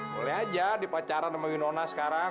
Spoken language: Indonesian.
boleh aja dipacaran sama winona sekarang